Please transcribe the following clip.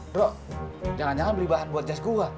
bro jangan jangan beli bahan buat jas gue